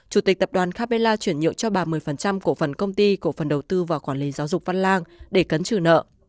chủ tịch tập đoàn capella chuyển nhượng cho bà một mươi cổ phần công ty cổ phần đầu tư và quản lý giáo dục văn lang để cấn trừ nợ